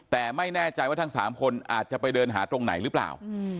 แต่ไม่แน่ใจว่าทั้ง๓คนอาจจะไปเดินหาตรงไหนหรือเปล่า